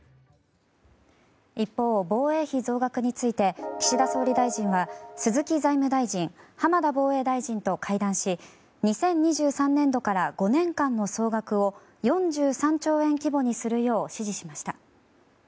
一方、防衛費増額について岸田総理大臣は鈴木財務大臣、浜田防衛大臣と会談し２０２３年度から５年間の総額を４３兆円規模にするよう指示しました。